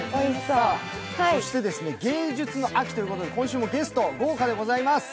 そして芸術の秋ということで、今週もゲスト豪華です！